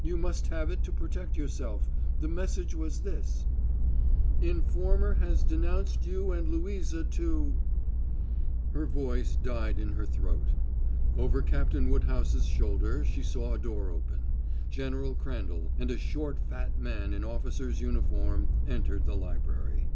You must have it to protect yourself. The message was this: "Informer has denounced you and Louisa to " Her voice died in her throat. Over Captain Woodhouse's shoulder she saw a door open. General Crandall and a short fat man in officer's uniform entered the library.